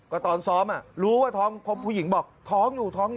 ก็ตอนซ้อมรู้ว่าท้องผู้หญิงบอกท้องอยู่